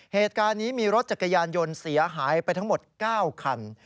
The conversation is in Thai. เหตุการณ์นี้มีรถจักรยานยนต์เสียหายไปทั้งหมด๙คัน